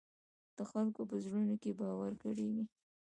د خلکو په زړونو کې باور ګډېږي.